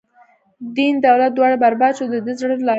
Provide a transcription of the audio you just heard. دین دولت دواړه برباد شو، د ده زړه لانه سړیږی